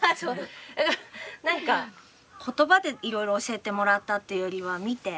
何か言葉でいろいろ教えてもらったっていうよりは見て。